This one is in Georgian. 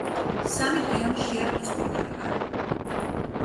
– სამი დღეა მშიერ-მწყურვალი ვარ!